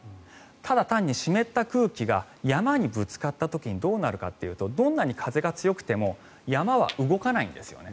ただ単に湿った空気が山にぶつかった時にどうなるかというとどんなに風が強くても山は動かないんですよね。